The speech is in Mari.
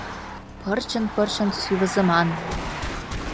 Пырчын-пырчын сӱвызыман.